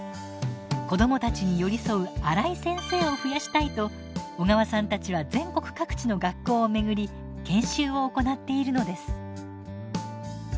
子どもたちに寄り添うアライ先生を増やしたいと小川さんたちは全国各地の学校を巡り研修を行っているのです。